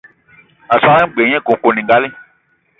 A so gne g-beu nye koukouningali.